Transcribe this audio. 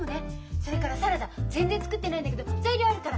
それからサラダ全然作ってないんだけど材料あるから。